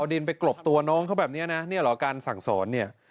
ดินไปกรบตัวน้องเขาแบบนี้นะเนี่ยเหรอการสั่งสอนเนี่ย